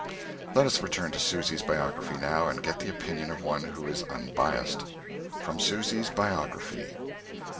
Let us return to Susy's biography now, and get the opinion of one who is unbiassed: _From Susy's Biography.